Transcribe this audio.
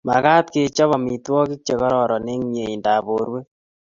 Magat kechop amitwogik che kororon eng mieindap borwek